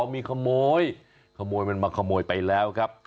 มีขโมยขโมยมันมาขโมยไปแล้วครับ